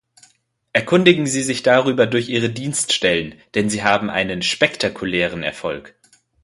Erkundigen Sie sich darüber durch Ihre Dienststellen, denn sie haben einen spektakulären Erfolg.